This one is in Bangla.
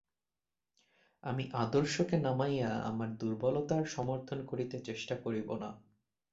আমি আদর্শকে নামাইয়া আমার দুর্বলতার সমর্থন করিতে চেষ্টা করিব না।